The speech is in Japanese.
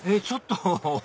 ちょっと！